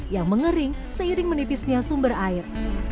yang mengering seiring menipisnya sumber air